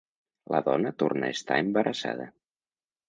La dona torna a estar embarassada.